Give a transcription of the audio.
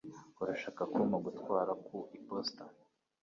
Urashaka kumpa gutwara ku iposita?